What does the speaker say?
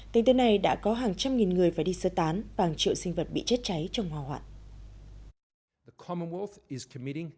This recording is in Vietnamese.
tính tới nay đã có hàng trăm nghìn người phải đi sơ tán vàng triệu sinh vật bị chết cháy trong hòa hoạn